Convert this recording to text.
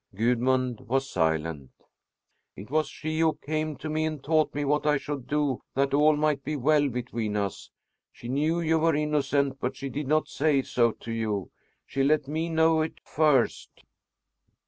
Gudmund was silent. "It was she who came to me and taught me what I should do that all might be well between us. She knew you were innocent, but she did not say so to you. She let me know it first."